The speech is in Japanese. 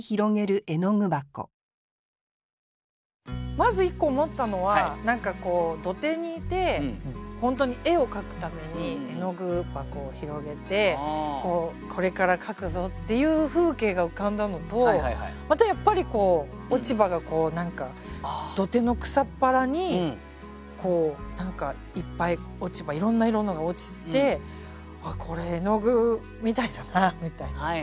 まず一個思ったのは何かこう土手にいて本当に絵を描くために絵具箱を拡げてこれから描くぞっていう風景が浮かんだのとまたやっぱり落ち葉が土手の草っ原に何かいっぱい落ち葉いろんな色のが落ちててこれ絵具みたいだなみたいな。